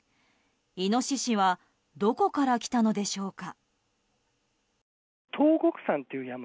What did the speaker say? イノシシはどこから来たのでしょうか。